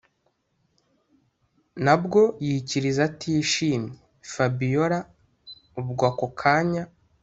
nabwo yikiriza atishimye, fabiora ubwo ako kanya